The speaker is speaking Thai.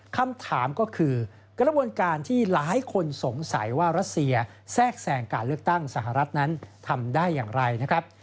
คำถามก็คือกระบวนการที่หลายคนสงสัยว่ารัสเซียแทรกแสงการเลือกตั้งสหรัฐนั้นทำได้อย่างไรนะครับ